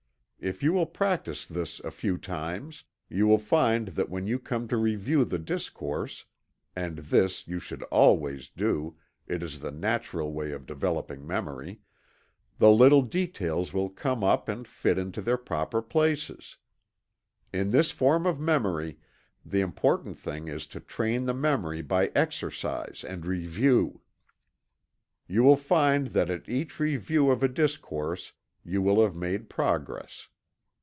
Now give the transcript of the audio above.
If you will practice this a few times, you will find that when you come to review the discourse (and this you should always do it is the natural way of developing memory) the little details will come up and fit into their proper places. In this form of memory, the important thing is to train the memory by exercise and review. You will find that at each review of a discourse you will have made progress.